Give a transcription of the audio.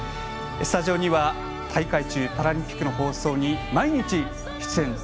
スタジオには大会中、パラリンピックの放送に毎日、出演。